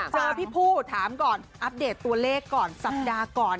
พี่ผู้ถามก่อนอัปเดตตัวเลขก่อนสัปดาห์ก่อน